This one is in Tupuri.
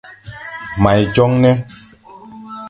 May jɔŋ ne?